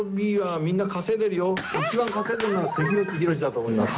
一番稼いでるのは関口宏だと思います。